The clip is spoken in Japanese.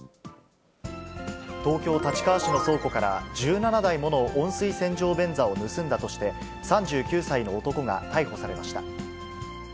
東京・立川市の倉庫から、１７台もの温水洗浄便座を盗んだとして、３９歳の男が逮捕されました。